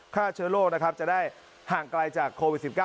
ฆ่าเชื้อโรคนะครับจะได้ห่างไกลจากโควิด๑๙